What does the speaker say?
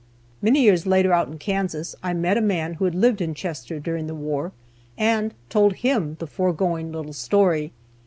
Many years later out in Kansas I met a man who had lived in Chester during the war, and told him the foregoing little story.